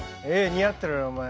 似合ってるよお前。